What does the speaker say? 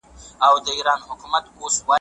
موږ د جمع سوالونه حلوو.